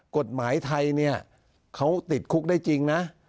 กฎหมายไทยเนี่ยเขาติดคุกได้จริงนะ